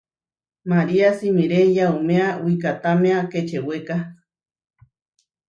María simiré yauméa wikahtámea Kečewéka.